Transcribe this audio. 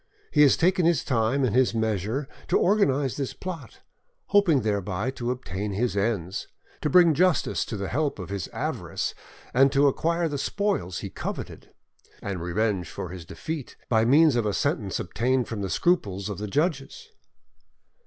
He has taken his time and his measures to organise this plot, hoping thereby to obtain his ends, to bring justice to the help of his avarice, and to acquire the spoils he coveted, and revenge for his defeat, by means of a sentence obtained from the scruples of the judges."